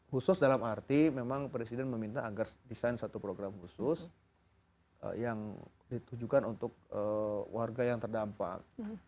khusus dalam arti memang presiden meminta agar desain satu program khusus yang ditujukan untuk warga yang terdampak